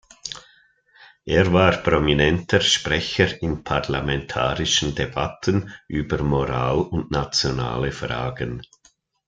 Er war prominenter Sprecher in parlamentarischen Debatten über Moral und nationale Fragen.